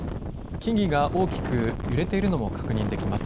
木々が大きく揺れているのも確認できます。